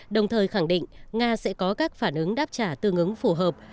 đồng thời khẳng định nga sẽ có các phản ứng đáp trả tương ứng phù hợp